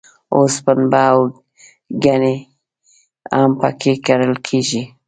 اوس پنبه او ګني هم په کې کرل کېږي.